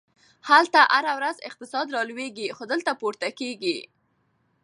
هلته هره ورځ اقتصاد رالویږي، خو دلته پورته کیږي!